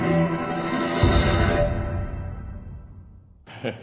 ハハハ